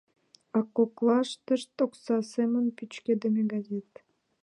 А коклаштышт — окса семын пӱчкедыме газет.